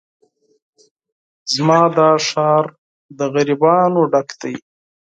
زما دا ښار د غريبانو ډک دی